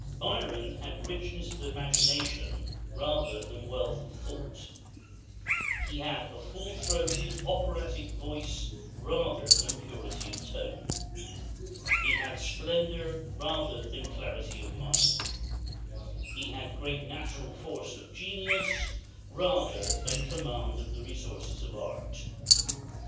] Byron had richness of imagination rather than wealth of thought; he had a full throated, operatic voice rather than purity of tone; he had splendor rather than clarity of mind; he had great natural force of genius rather than command of the resources of art.